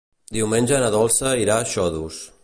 Diumenge na Dolça irà a Xodos.